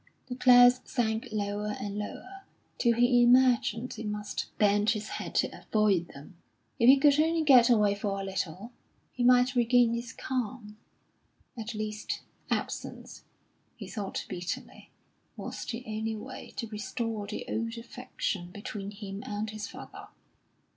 The clouds sank lower and lower, till he imagined he must bend his head to avoid them. If he could only get away for a little, he might regain his calm. At least, absence, he thought bitterly, was the only way to restore the old affection between him and his father.